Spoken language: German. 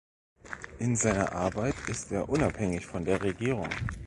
In seiner Arbeit ist er unabhängig von der Regierung.